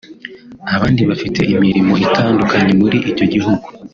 abandi bafite imirimo itandukanye muri icyo gihugu